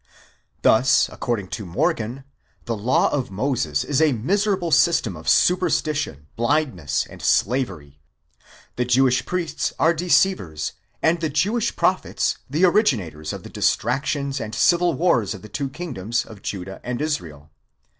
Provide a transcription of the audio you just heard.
Thus, according to Morgan,® the law of Moses is a miserable system of superstition, blindness, and slavery; the Jewish priests are de Ceivers; and the Jewish prophets the originators of the distractions and civil wars of the two kingdoms of Judah and Israel.